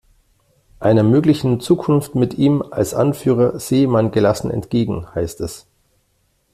Einer möglichen Zukunft mit ihm als Anführer sehe man gelassen entgegen, heißt es.